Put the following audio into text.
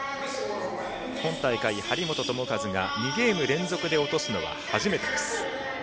今大会、張本智和が２ゲーム連続で落とすのは初めてです。